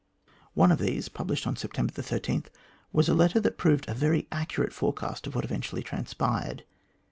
One of these, published on September 100 THE GLADSTONE COLONY 13, was a letter that proved a very accurate forecast of what eventually transpired.